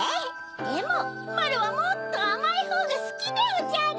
でもまろはもっとあまいほうがすきでおじゃる。